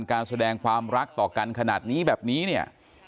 การแสดงความรักต่อกันขนาดนี้แบบนี้เนี่ย